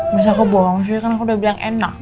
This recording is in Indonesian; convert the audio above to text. masa aku bohong maksudnya kan aku udah bilang enak